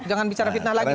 jangan bicara fitnah lagi